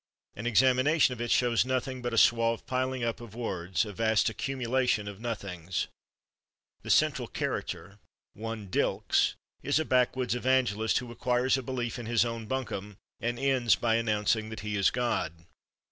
An examination of it shows nothing but a suave piling up of words, a vast accumulation of nothings. The central character, one Dylks, is a backwoods evangelist who acquires a belief in his own buncombe, and ends by announcing that he is God.